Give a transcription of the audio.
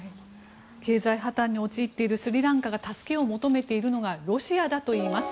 経済破たんに陥っているスリランカが助けを求めているのがロシアだといいます。